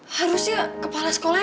harusnya kepala sekolahnya